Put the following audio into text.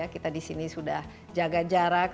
kita di sini sudah jaga jarak